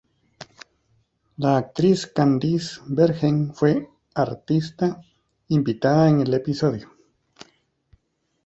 La actriz Candice Bergen fue artista invitada en el episodio.